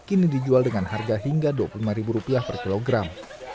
kini dijual dengan harga hingga rp dua puluh lima per kilogram